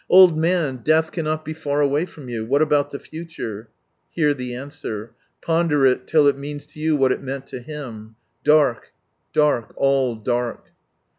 " Old man, death cannot be far away from you, what about the future!*" Hear the answer. Ponder it till it means to you what it meant to him — "Dark, dark, all dark."